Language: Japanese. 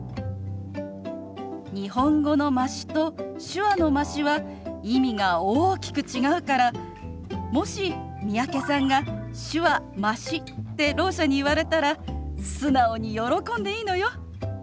日本語の「まし」と手話の「まし」は意味が大きく違うからもし三宅さんが「手話まし」ってろう者に言われたら素直に喜んでいいのよ。